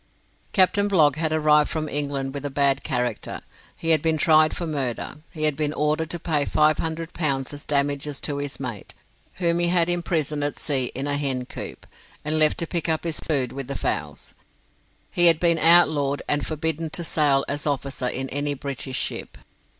Captain Blogg had arrived from England with a bad character. He had been tried for murder. He had been ordered to pay five hundred pounds as damages to his mate, whom he had imprisoned at sea in a hencoop, and left to pick up his food with the fowls. He had been out lawed, and forbidden to sail as officer in any British ship.